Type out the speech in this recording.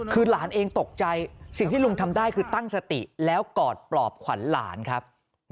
คือหลานเองตกใจสิ่งที่ลุงทำได้คือตั้งสติแล้วกอดปลอบขวัญหลานครับ